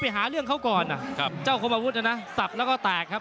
ไปหาเรื่องเขาก่อนอ่ะครับเจ้าโอโหมออุนต์ใช่ไหมสับแล้วก็แตกครับ